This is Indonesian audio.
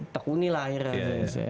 tukunin lah akhirnya